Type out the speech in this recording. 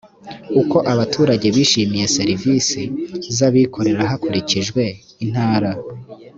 uko abaturage bishimiye serivisi z abikorera hakurijijwe intara